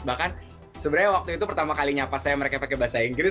bahkan sebenarnya waktu itu pertama kali nyapa saya mereka pakai bahasa inggris